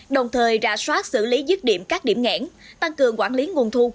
đồng thời rạ soát xử lý dứt điểm các điểm ngãn tăng cường quản lý nguồn thu